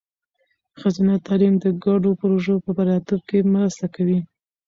ښځینه تعلیم د ګډو پروژو په بریالیتوب کې مرسته کوي.